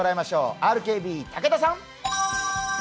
ＲＫＢ・武田さん。